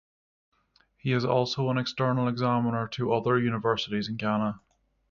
He is also an external examiner to other universities in Ghana.